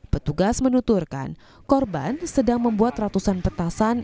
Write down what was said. petugas menuturkan korban sedang membuat ratusan petasan